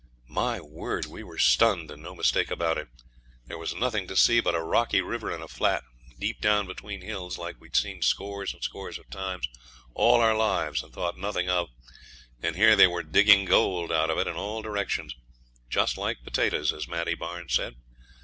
My word, we were stunned, and no mistake about it. There was nothing to see but a rocky river and a flat, deep down between hills like we'd seen scores and scores of times all our lives and thought nothing of, and here they were digging gold out of it in all directions, just like potatoes, as Maddie Barnes said.